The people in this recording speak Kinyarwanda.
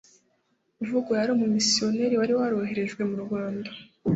uvugwa yari umumisiyonari wari waroherejwe mu rwanda